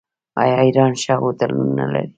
آیا ایران ښه هوټلونه نلري؟